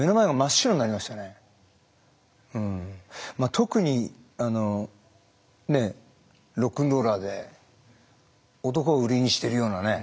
特にロックンローラーで男を売りにしてるようなね